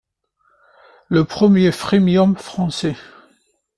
Le premier Freemium français.